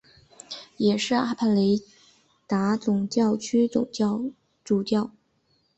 也是阿帕雷西达总教区总主教。